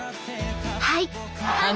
はい。